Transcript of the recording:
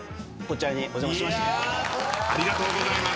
ありがとうございます。